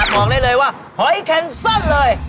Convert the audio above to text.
บอกได้เลยว่าหอยแคนเซิลเลย